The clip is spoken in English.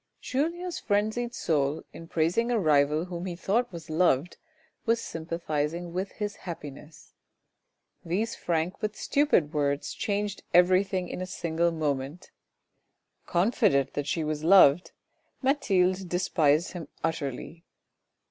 Julien's frenzied soul, in praising a rival whom he thought was loved, was sympathising with his happiness. These frank but stupid words changed everything in a single moment ; confident that she was loved, Mathilde despised him utterly.